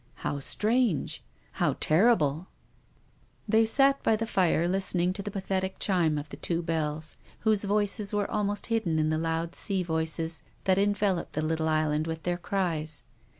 " How strange ! How terrible !" They sat by the fire listening to the pathetic chime of the two bells, whose voices were almost hidden in the loud sea voices that enveloped the little island with their cries.